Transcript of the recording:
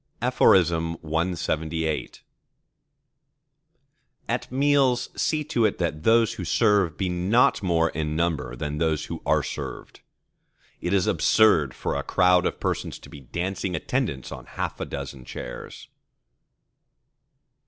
CLXXIX At meals, see to it that those who serve be not more in number than those who are served. It is absurd for a crowd of persons to be dancing attendance on half a dozen chairs.